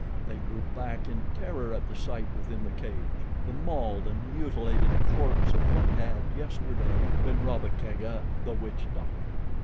They drew back in terror at the sight within the cage the mauled and mutilated corpse of what had, yesterday, been Rabba Kega, the witch doctor.